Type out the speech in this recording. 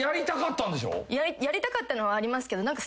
やりたかったのはありますけど何か。